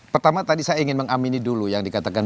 pertama tadi saya ingin mengamini dulu yang dikatakan